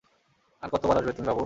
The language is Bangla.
আর কতবার আসবে তুমি, বাবু?